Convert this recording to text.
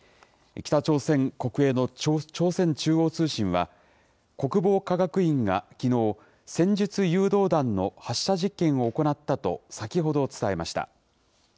北朝鮮国営の朝鮮中央通信は、国防科学院がきのう、戦術誘導弾の発射実験を行ったと先ほど伝えました。